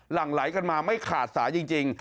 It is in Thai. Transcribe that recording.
หลังไหลกันมาไม่ขาดสายจริง